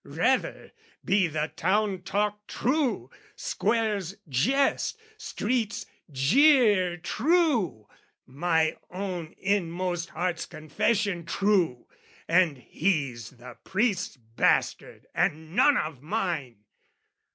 Rather be the town talk true, Square's jest, street's jeer True, my own inmost heart's confession true, And he's the priest's bastard and none of mine!